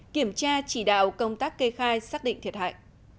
kiểm tra chỉ đạo công tác kê khai xác định thiệt hại